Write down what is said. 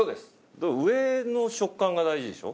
だから上の食感が大事でしょ？